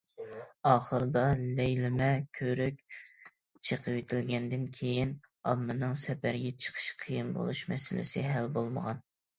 ئاخىرىدا، لەيلىمە كۆۋرۈك چېقىۋېتىلگەندىن كېيىن، ئاممىنىڭ سەپەرگە چىقىشى قىيىن بولۇش مەسىلىسى ھەل بولمىغان.